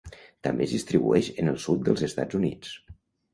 També es distribueix en el sud dels Estats Units.